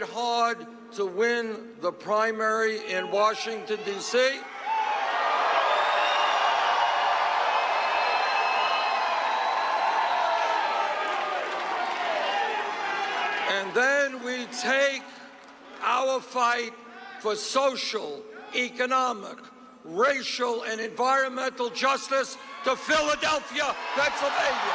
ให้พิธีกรรมกันฟิลาดัลเวลาแนวทาเฟลาเวลา